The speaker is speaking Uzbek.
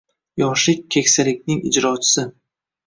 Yoshlik – keksalikning ijrochisi.